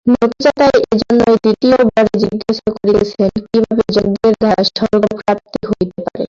নচিকেতা এই জন্যই দ্বিতীয় বরে জিজ্ঞাসা করিতেছেন, কিভাবে যজ্ঞের দ্বারা স্বর্গপ্রাপ্তি হইতে পারে।